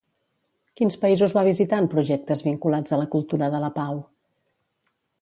Quins països va visitar en projectes vinculats a la cultura de la pau?